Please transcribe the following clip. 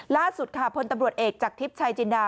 ล่าสุดค่ะพลตำรวจเอกจากทิพย์ชายจินดา